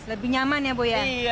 lebih nyaman ya bu ya